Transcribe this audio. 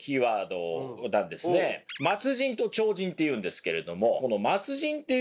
末人と超人っていうんですけれども。